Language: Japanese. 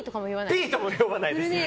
ピーとも呼ばないです。